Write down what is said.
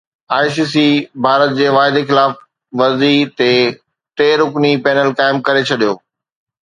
I C C Bharat جي واعدي خلاف ورزي تي ٽي رڪني پينل قائم ڪري ڇڏيو